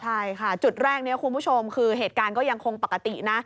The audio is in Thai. ใช่ค่ะจุดแรกนี้คุณผู้ชมคือเหตุการณ์ก็ยังคงปกตินะ